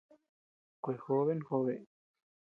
Kuejóbe njóbe.